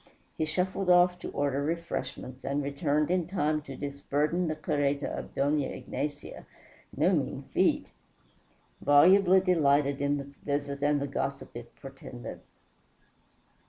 He shuffled off to order refreshments, and returned in time to disburden the carreta of Dona Ignacia no mean feat volubly delighted in the visit and the gossip it portended.